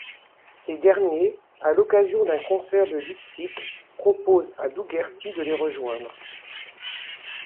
Ces derniers, à l'occasion d'un concert de Lipstick, proposent à Dougherty de les rejoindre.